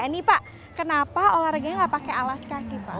ini pak kenapa olahraganya gak pakai alas kaki pak